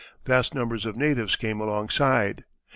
Vast numbers of natives came alongside.